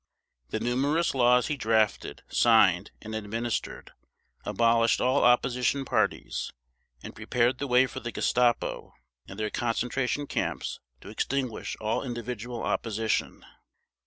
The numerous laws he drafted, signed, and administered abolished all opposition parties and prepared the way for the Gestapo and their concentration camps to extinguish all individual opposition.